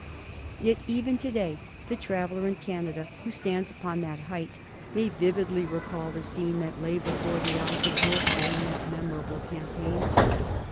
Yet even to day the traveller in Canada who stands upon that height may vividly recall the scene that lay before the eyes of Wolfe during that memorable campaign.